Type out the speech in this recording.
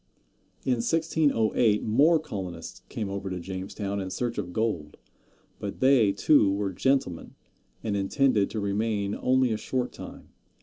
In 1608 more colonists came over to Jamestown in search of gold; but they, too, were gentlemen, and intended to remain only a short time.